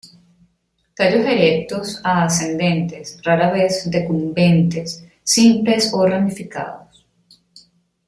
Tallos erectos a ascendentes, rara vez decumbentes, simples o ramificados.